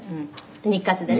「日活でね」